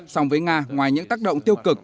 sòng với nga ngoài những tác động tiêu cực